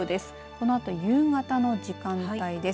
このあと夕方の時間帯です。